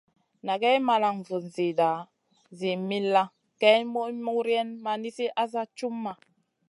Nagay malan vun zida zi millàh, kay mi muriayn ma nizi asa cumʼma.